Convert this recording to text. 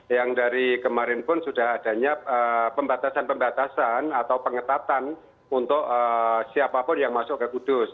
yang dari kemarin pun sudah adanya pembatasan pembatasan atau pengetatan untuk siapapun yang masuk ke kudus